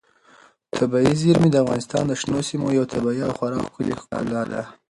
طبیعي زیرمې د افغانستان د شنو سیمو یوه طبیعي او خورا ښکلې ښکلا ده.